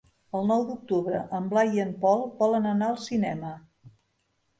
El nou d'octubre en Blai i en Pol volen anar al cinema.